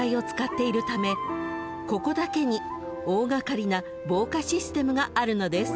［ここだけに大がかりな防火システムがあるのです］